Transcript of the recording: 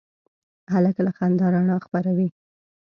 هلک له خندا رڼا خپروي.